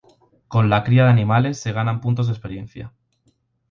Con la cría de animales se ganan puntos de experiencia.